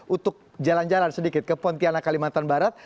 untuk jalan jalan sedikit ke pontianak kalimantan barat